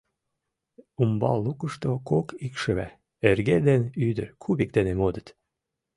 Умбал лукышто кок икшыве — эрге ден ӱдыр кубик дене модыт.